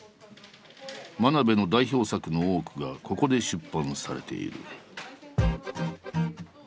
真鍋の代表作の多くがここで出版されている。